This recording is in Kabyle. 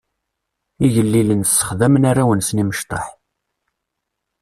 Igellilen ssexdamen arraw-nsen imecṭaḥ.